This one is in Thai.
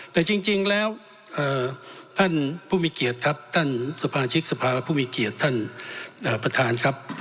แต่จริงแล้วท่านผู้มีเกียรติครับท่านสมาชิกสภาผู้มีเกียรติท่านประธานครับ